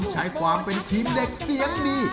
ใช้ความเป็นทีมเด็กเสียงดี